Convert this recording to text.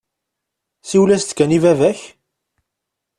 Siwel-as-d kan i baba-k.